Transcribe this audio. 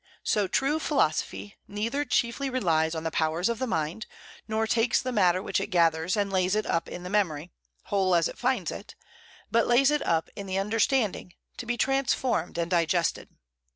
So true philosophy neither chiefly relies on the powers of the mind, nor takes the matter which it gathers and lays it up in the memory, whole as it finds it, but lays it up in the understanding, to be transformed and digested."